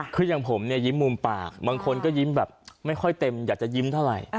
คืออย่างผมเนี่ยยิ้มมุมปากบางคนก็ยิ้มแบบไม่ค่อยเต็มอยากจะยิ้มเท่าไหร่